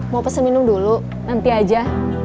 mau pesen minum dulu nanti aja